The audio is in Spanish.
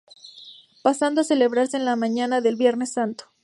Pasando a celebrarse en la mañana del Viernes Santo.